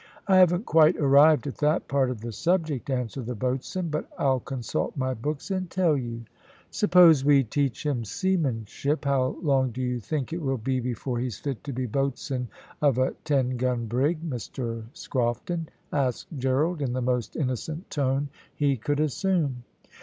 "I haven't quite arrived at that part of the subject," answered the boatswain; "but I'll consult my books and tell you." "Suppose we teach him seamanship, how long do you think it will be before he's fit to be boatswain of a ten gun brig, Mr Scrofton?" asked Gerald, in the most innocent tone he could assume.